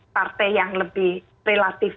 partai yang lebih relatif